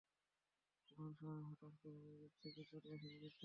এমন সময় হঠাৎ করে দুই দিক থেকে চলে আসে দুটি ট্রেন।